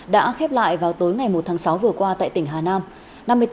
đã khép lại vào tối ngày một tháng sáu vừa qua tại tỉnh hà nam